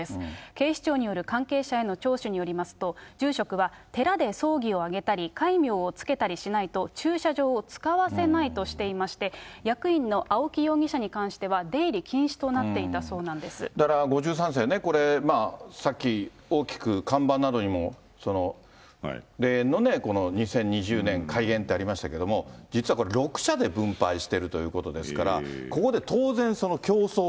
警視庁による関係者への聴取によりますと、住職は寺で葬儀をあげたり、戒名を付けたりしないと、駐車場を使わせないとしていまして、役員の青木容疑者に関しては、出入り禁止となっていたそうなんでだから５３世ね、これ、さっき大きく看板などにも霊園のね、２０２０年開園ってありましたけど、実はこれ、６社で分配しているということですから、ここで当然、競争。